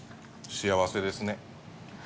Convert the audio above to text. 幸せですね。